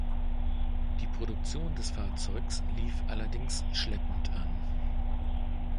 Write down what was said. Die Produktion des Fahrzeugs lief allerdings schleppend an.